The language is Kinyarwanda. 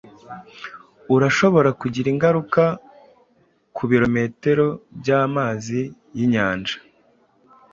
urashobora kugira ingaruka kubirometero byamazi ninyanja.